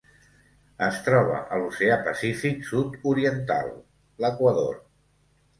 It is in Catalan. Es troba a l'Oceà Pacífic sud-oriental: l'Equador.